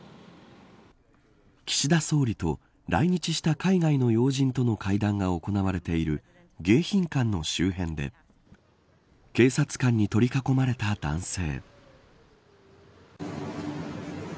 岸田総理と来日した海外の要人との会談が行われている迎賓館の周辺で警察官に取り囲まれた男性。